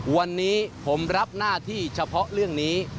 วันนี้ผมรับหน้าที่เฉพาะเรื่องนี้